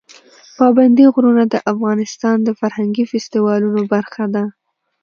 پابندي غرونه د افغانستان د فرهنګي فستیوالونو برخه ده.